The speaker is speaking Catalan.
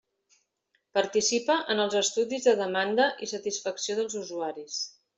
Participa en els estudis de demanda i satisfacció dels usuaris.